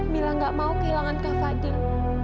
mila gak mau kehilangan kak fadil